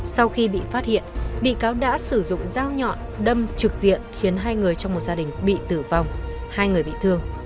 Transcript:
sau khi bị phát hiện bị cáo đã sử dụng dao nhọn đâm trực diện khiến hai người trong một gia đình bị tử vong hai người bị thương